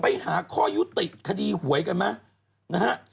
ไปหาข้อยุติคดีหวยกันมั้ย